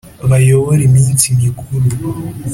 bayobore iminsi mikuru